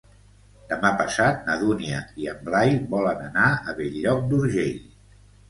Demà passat na Dúnia i en Blai volen anar a Bell-lloc d'Urgell.